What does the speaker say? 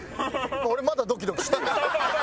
俺まだドキドキしてる。